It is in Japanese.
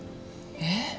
えっ？